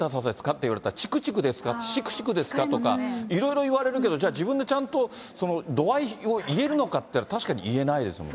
って言われたら、ちくちくですか、しくしくですかとか、いろいろ言われるけど、じゃあ、自分でちゃんとその度合いを言えるのかって、そうですね。